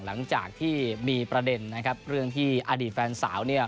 หลังจากที่มีประเด็นเรื่องที่อดีตแฟนสาว